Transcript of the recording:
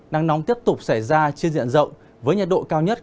nắng nóng tiếp tục xảy ra trên diện rộng với nhiệt độ cao nhất